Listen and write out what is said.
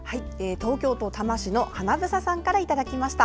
東京都多摩市のはなぶささんからいただきました。